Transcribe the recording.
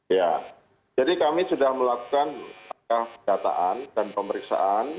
ya jadi kami sudah melakukan pendataan dan pemeriksaan